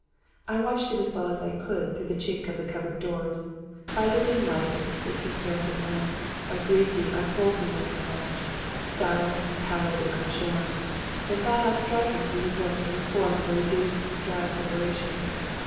I watched him as well as I could through the chink of the cupboard doors by the dim light of the stinking paraffin lamp; a greasy, unwholesome looking wretch, sallow, pallid and unshorn; and thought how striking he would look in the form of a reduced, dry preparation.